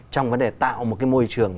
trong vấn đề tạo một cái môi trường